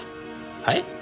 はい？